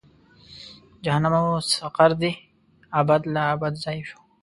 جهنم او سقر دې ابد لا ابد ځای شو.